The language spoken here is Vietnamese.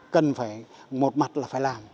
cần phải một mặt là phải làm